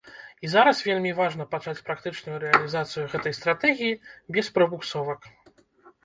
І зараз вельмі важна пачаць практычную рэалізацыю гэтай стратэгіі без прабуксовак.